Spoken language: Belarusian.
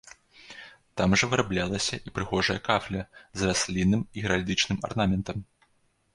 Там жа выраблялася і прыгожая кафля з раслінным і геральдычным арнаментам.